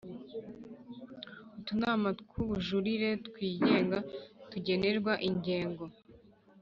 Utunama tw ububujurire twigenga tugenerwa ingengo